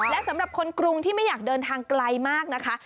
และสำหรับคนกรุงที่ไม่อยากเดินทางไกลมากนะคะ